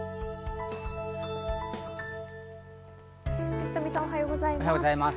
藤富さん、おはようございます。